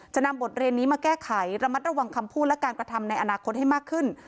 นำบทเรียนนี้มาแก้ไขระมัดระวังคำพูดและการกระทำในอนาคตให้มากขึ้น